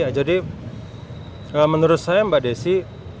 ya jadi menurut saya mbak desi